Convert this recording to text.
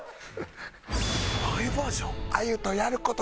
あゆバージョン？